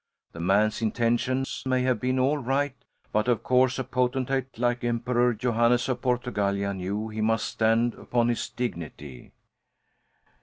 The man's intentions may have been all right, but of course a potentate like Emperor Johannes of Portugallia knew he must stand upon his dignity.